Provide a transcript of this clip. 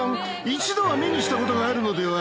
一度は目にしたことがあるのでは？